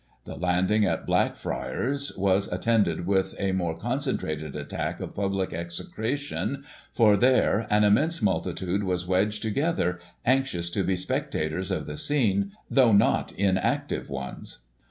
The landing at Blackfriars was attended with a more concentrated attack of * public execration,' for, there, an immense multitude was wedged together, anxious to be spectators of the scene, though not inactive ones.